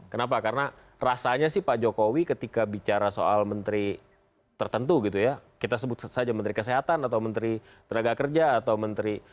kenapa karena rasanya sih pak jokowi ketika bicara soal menteri tertentu gitu ya kita sebut saja menteri kesehatan atau menteri tenaga kerja atau menteri